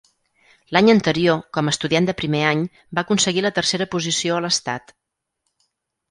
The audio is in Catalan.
L'any anterior, com a estudiant de primer any, va aconseguir la tercera posició a l'Estat.